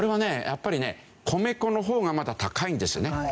やっぱりね米粉の方がまだ高いんですよね。